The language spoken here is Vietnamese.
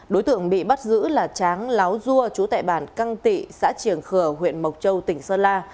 đối tượng bị bắt giữ là tráng láo dua chú tệ bản căng tị xã triển khở huyện mộc châu tỉnh sơn la